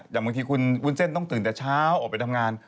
อย่างบางทีคุณวุ้นเส้นต้องตื่นแต่เช้าออกไปทำงาน